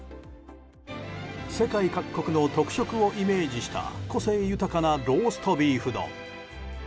世界各国の特色をイメージした個性豊かなローストビーフ丼。